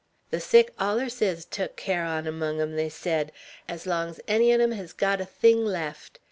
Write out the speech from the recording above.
The sick allers ez took care on among them, they sed, 's long uz enny on em hez got a thing left.